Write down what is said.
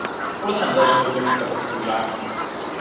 Škole se nedaří doplnit kapacitu žáků.